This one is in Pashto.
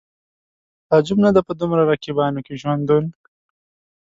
تعجب نه دی په دومره رقیبانو کې ژوندون